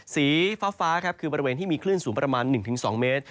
สีฟ้าครับคือบริเวณที่มีคลื่นสูงประมาณ๑๒เมตร